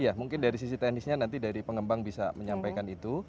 ya mungkin dari sisi teknisnya nanti dari pengembang bisa menyampaikan itu